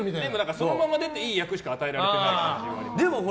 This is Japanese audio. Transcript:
そのまま出ていい役しか与えられてないから。